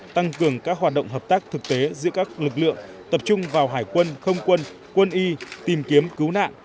tăng cường các hoạt động hợp tác thực tế giữa các lực lượng tập trung vào hải quân không quân quân y tìm kiếm cứu nạn